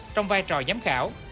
trong vai trò giám khảo